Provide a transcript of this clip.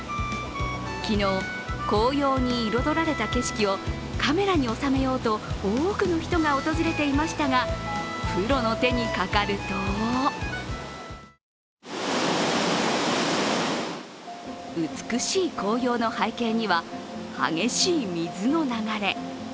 昨日、紅葉に彩られた景色をカメラに収めようと多くの人が訪れていましたがプロの手にかかると美しい紅葉の背景には、激しい水の流れ。